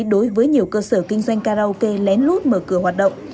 đối với nhiều cơ sở kinh doanh karaoke lén lút mở cửa hoạt động